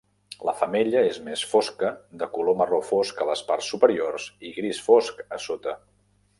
La femella és més fosca de color marró fosc a les parts superiors i gris fosc a sota.